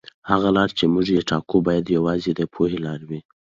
هغه لاره چې موږ یې ټاکو باید یوازې د پوهې لاره وي.